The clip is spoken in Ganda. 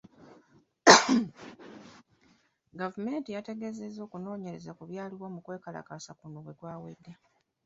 Gavumenti yategeezezza ng’okunoonyereza ku byaliwo mu kwekalakaasa kuno bwe kwawedde .